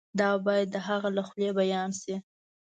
دا باید د هغه له خولې بیان شي.